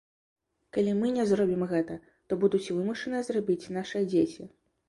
Калі мы не зробім гэта, то будуць вымушаныя зрабіць нашыя дзеці.